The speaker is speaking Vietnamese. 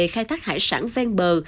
khai thác hải sản ven bờ